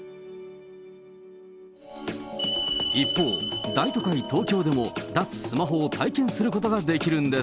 一方、大都会、東京でも脱スマホを体験することができるんです。